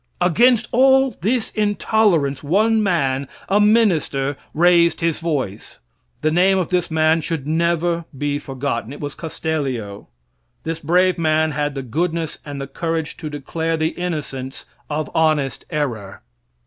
Against all this intolerance, one man, a minister, raised his voice. The name of this man should never be forgotten. It was Castellio. This brave man had the goodness and the courage to declare the innocence of honest error.